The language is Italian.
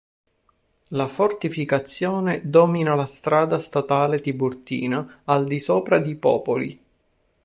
La fortificazione domina la strada statale Tiburtina al di sopra di Popoli.